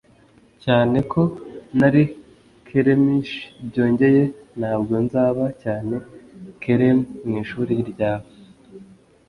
cyane ko nari kelemish! byongeye, ntabwo nzaba cyane kelem mwishuri ryabo